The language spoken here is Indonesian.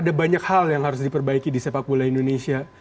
ada banyak hal yang harus diperbaiki di sepak bola indonesia